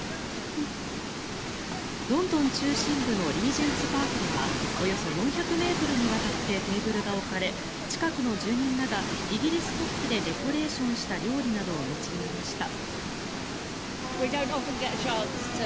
ロンドン中心部のリージェンツ・パークではおよそ４００ｍにわたってテーブルが置かれ近くの住民らがイギリス国旗でデコレーションした料理などを持ち寄りました。